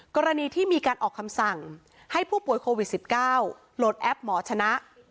กรณีที่มีการออกคำสั่งให้ผู้ป่วยโควิด๑๙โหลดแอปหมอชนะ